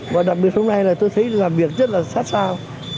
và đặc biệt hôm nay là tôi thấy làm việc rất là sát sao